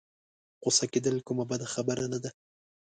غوسه کېدل کومه بده خبره نه ده.